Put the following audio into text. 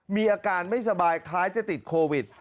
มีอาการไม่สบายคล้ายจะติดโควิด